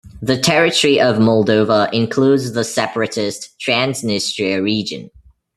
The territory of Moldova includes the separatist Transnistria region.